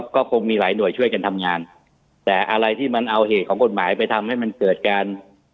ก็คงมีหลายหน่วยช่วยกันทำงานแต่อะไรที่มันเอาเหตุของกฎหมายไปทำให้มันเกิดการ